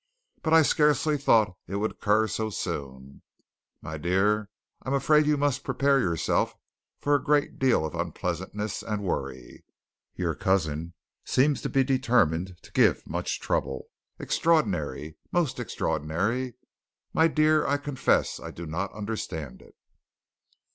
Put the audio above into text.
"But I scarcely thought it would occur so soon. My dear, I am afraid you must prepare yourself for a great deal of unpleasantness and worry. Your cousin seems to be determined to give much trouble. Extraordinary! most extraordinary! My dear, I confess I do not understand it."